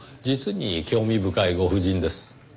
実に興味深いご婦人です。